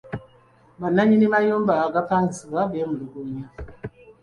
Bannannyini mayumba g'apangisibwa beemulugunya.